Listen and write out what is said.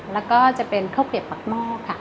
แล้วก็จะเป็นข้าวเกลียบปากหม้อค่ะ